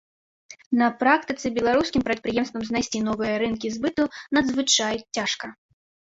На практыцы беларускім прадпрыемствам знайсці новыя рынкі збыту надзвычай цяжка.